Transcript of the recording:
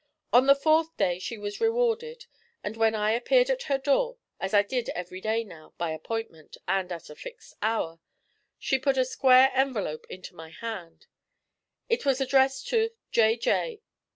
On the fourth day she was rewarded, and when I appeared at her door, as I did every day now, by appointment, and at a fixed hour, she put a square envelope into my hand. It was addressed to 'J. J.